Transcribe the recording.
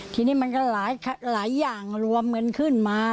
ทีนี้มันก็หลายอย่างรวมเงินขึ้นมา